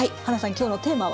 今日のテーマは？